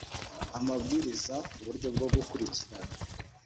amabwiriza uburyo bwo gukurikirana